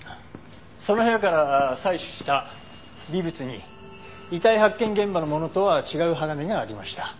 その部屋から採取した微物に遺体発見現場のものとは違う鋼がありました。